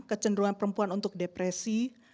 kecenderungan perempuan untuk depresi